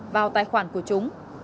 vào tài khoản của chúng